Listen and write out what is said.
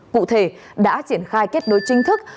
cụ thể đã triển khai kết nối chính thức